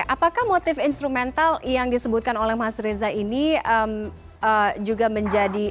apakah motif instrumental yang disebutkan oleh mas reza ini juga menjadi